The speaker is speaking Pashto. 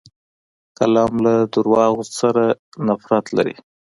قلم له دروغو سره نفرت لري